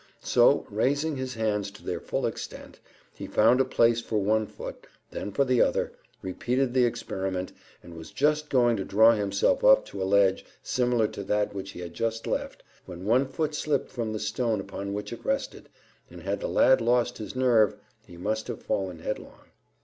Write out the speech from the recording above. So, raising his hands to their full extent, he found a place for one foot, then for the other, repeated the experiment, and was just going to draw himself up to a ledge similar to that which he had just left, when one foot slipped from the stone upon which it rested, and had the lad lost his nerve he must have fallen headlong.